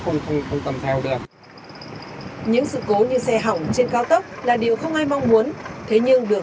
đường cao đường dài đường dài đường dài đường dài đường dài đường dài đường dài